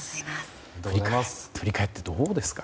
振り返ってどうですか？